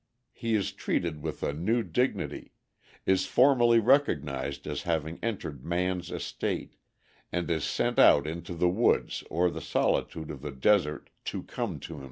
He is treated with a new dignity, is formally recognized as having entered man's estate, and is sent out into the woods or the solitude of the desert "to come to himself."